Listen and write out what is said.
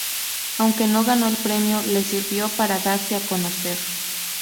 Aunque no ganó el premio, le sirvió para darse a conocer.